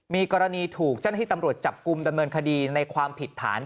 มีกรณีถูกเจ้าหน้าที่ตำรวจจับกลุ่มดำเนินคดีในความผิดฐาน